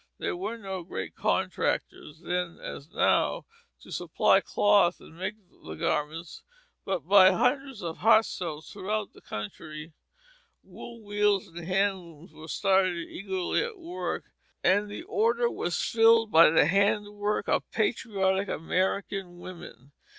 There were no great contractors then as now to supply the cloth and make the garments, but by hundreds of hearthstones throughout the country wool wheels and hand looms were started eagerly at work, and the order was filled by the handiwork of patriotic American women.